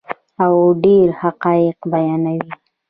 او ډیر حقایق بیانوي.